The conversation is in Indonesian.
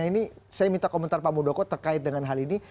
ini saya minta komentar pak muldoko terkait dengan hal ini